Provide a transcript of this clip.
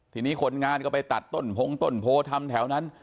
ทีนี้คนงานก็ไปตัดต้นพงต้นโพทำแถวนั้น